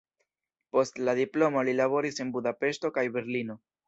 Post la diplomo li laboris en Budapeŝto kaj Berlino.